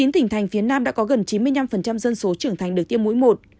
chín tỉnh thành phía nam đã có gần chín mươi năm dân số trưởng thành được tiêm mũi một